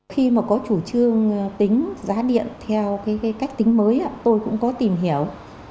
khi mà có chủ trương tính giá điện theo cái cách tính mới tôi cũng có tìm hiểu